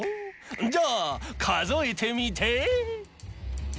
じゃあかぞえてみて？